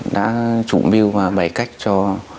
đã chủ mưu và bày cách cho